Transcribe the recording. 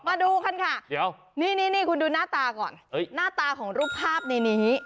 มาดูกันค่ะเดี๋ยวนี่คุณดูหน้าตาก่อนหน้าตาของรูปภาพในนี้